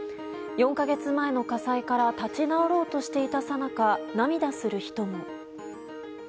４か月前の火災から立ち直ろうとしていたさなか涙する人も。